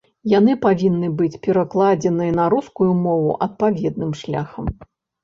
Яны павінны быць перакладзеныя на рускую мову адпаведным шляхам.